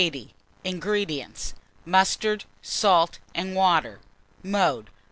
INGREDIENTS. Mustard, salt, and water. Mode.